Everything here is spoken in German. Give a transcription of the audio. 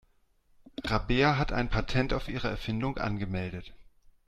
Rabea hat ein Patent auf ihre Erfindung angemeldet.